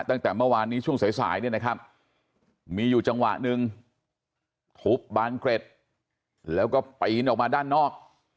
ตั้งแต่เมื่อวานนี้ช่วงสายสายเนี่ยนะครับมีอยู่จังหวะหนึ่งทุบบานเกร็ดแล้วก็ปีนออกมาด้านนอก